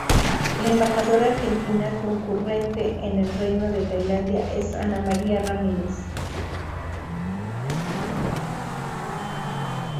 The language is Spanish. La embajadora argentina concurrente en el Reino de Tailandia es Ana María Ramírez.